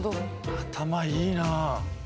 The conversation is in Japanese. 頭いいなあ。